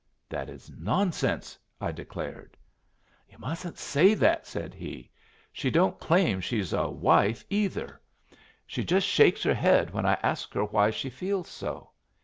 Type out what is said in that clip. "That is nonsense," I declared. "Yu' mustn't say that," said he. "She don't claim she's a wife, either. She just shakes her head when I asked her why she feels so.